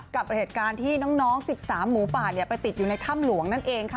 กับเหตุการณ์ที่น้อง๑๓หมูป่าไปติดอยู่ในถ้ำหลวงนั่นเองค่ะ